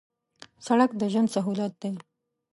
سړک د ژوند سهولت دی